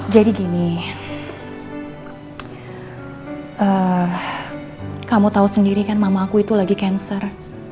gini kamu tahu sendiri kan mama aku itu lagi cancer